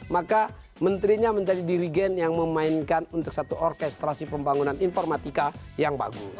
maka menterinya menjadi dirigen yang memainkan untuk satu orkestrasi pembangunan informatika yang bagus